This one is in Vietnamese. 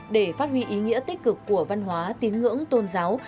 để phát huy ý nghĩa tích cực của văn hóa tín ngưỡng tôn giáo